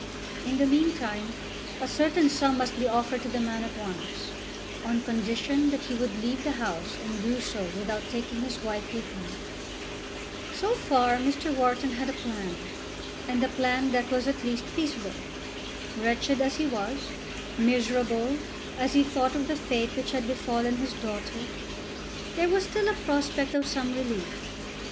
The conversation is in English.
In the meantime a certain sum must be offered to the man at once, on condition that he would leave the house and do so without taking his wife with him. So far Mr. Wharton had a plan, and a plan that was at least feasible. Wretched as he was, miserable, as he thought of the fate which had befallen his daughter, there was still a prospect of some relief.